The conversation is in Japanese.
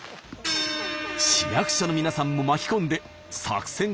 市役所の皆さんも巻き込んで作戦会議スタート。